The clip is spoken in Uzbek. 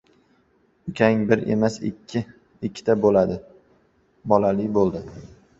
«Ukang bir emas ikkita bolali bo‘ldi.